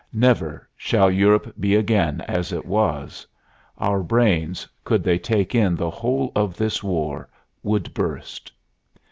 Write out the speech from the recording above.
Never shall Europe be again as it was. Our brains, could they take in the whole of this war, would burst.